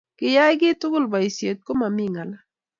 Kiyai kiy tugul boisiet, komami ngala